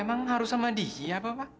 emang harus sama dia pak